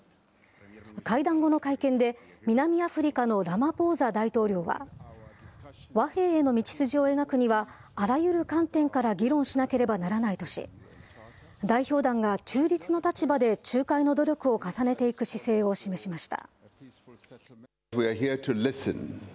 会談後の会見で、南アフリカのラマポーザ大統領は、和平への道筋を描くにはあらゆる観点から議論しなければならないとし、代表団が中立の立場で仲介の努力を重ねていく姿勢を示しました。